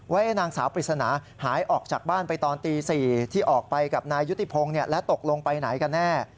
นางสาวปริศนาหายออกจากบ้านไปตอนตี๔ที่ออกไปกับนายยุติพงศ์และตกลงไปไหนกันแน่